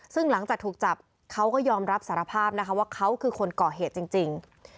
ซึ่งหลังจากถูกจับเขาก็ยอมรับสารภาพนะคะว่าเขาคือคนก่อเหตุจริง